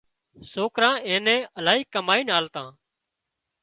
سوڪرا اين الاهي ڪمائينَ آلتا